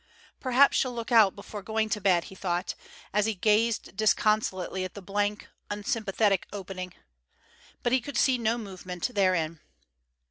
"Perhaps she'll look out before going to bed," he thought, as he gazed disconsolately at the blank, unsympathetic opening. But he could see no movement therein.